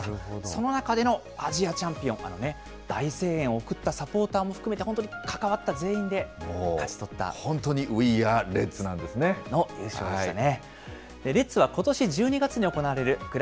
その中でのアジアチャンピオン、大声援を送ったサポーターも含めて本当に関わった全員で勝ち取っ本当にウィー・アー・レッズの優勝でしたね。